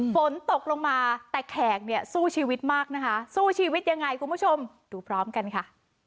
ฝนตกลงมาแต่แขกเนี่ยสู้ชีวิตมากนะคะสู้ชีวิตยังไงคุณผู้ชมดูพร้อมกันค่ะ